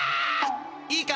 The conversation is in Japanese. いいか？